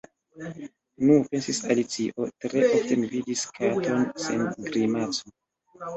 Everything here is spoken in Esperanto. "Nu," pensis Alicio, "tre ofte mi vidis katon sen grimaco.